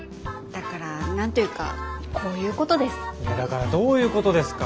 だからどういうことですか？